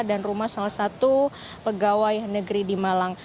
dan rumah salah satu pegawai negeri di malang